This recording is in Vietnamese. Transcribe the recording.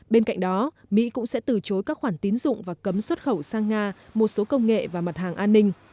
bên cạnh đó mỹ cũng sẽ từ chối các khoản tín dụng và cấm xuất khẩu sang nga một số công nghệ và mặt hàng an ninh